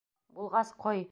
Булғас, ҡой.